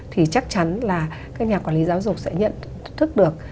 thì chắc chắn là các nhà quản lý giáo dục sẽ nhận thức được